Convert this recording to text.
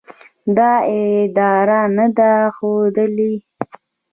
دا اراده نه ده ښودلې